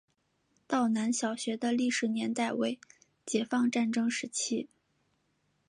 道南小学的历史年代为解放战争时期。